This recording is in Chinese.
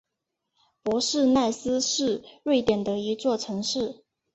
博尔奈斯是瑞典的一座城市。